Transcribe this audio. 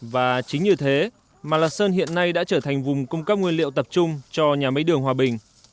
và chính như thế mà lạc sơn hiện nay đã trở thành vùng cung cấp nguyên liệu tập trung cho nhà máy đường hòa bình